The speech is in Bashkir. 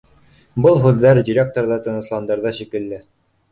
Был һүҙҙәр директорҙы тынысландырҙы шикелле.